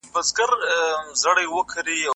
که رفتار کنټرول کړو نو نظم راځي.